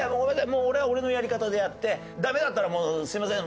もう俺は俺のやり方でやってダメだったらすいません